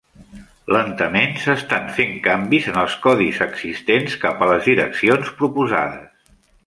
Lentament s'estan fent canvis en els codis existents cap a les direccions proposades.